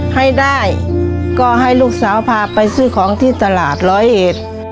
ให้ได้ก็ให้ลูกสาวพาไปซื้อของที่ต่อไปนะครับ